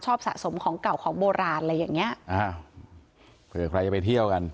สะสมของเก่าของโบราณอะไรอย่างเงี้ยอ้าวเผื่อใครจะไปเที่ยวกัน